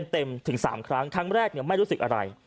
เต็มถึง๓ครั้งครั้งแรกเนี่ยไม่รู้สึกอะไร